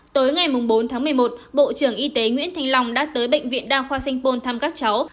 tối ngày bốn tháng một mươi một bộ trưởng y tế nguyễn thanh long đã tới bệnh viện đa khoa sanh pôn thăm các cháu